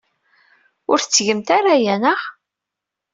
Ur tettgemt ara aya, naɣ?